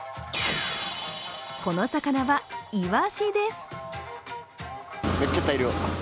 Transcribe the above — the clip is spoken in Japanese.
この魚は、いわしです。